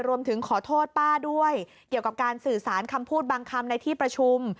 รวมถึงขอโทษป้าด้วยเกี่ยวกับการสื่อสารคำพูดบางคำในที่ประชุม